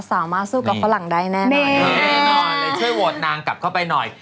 สามารถสู้กับฝรั่งได้แน่นอนเลยช่วยโหวตนางกลับเข้าไปหน่อย